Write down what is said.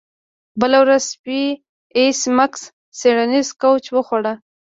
بله ورځ سپي د ایس میکس څیړنیز کوچ وخوړ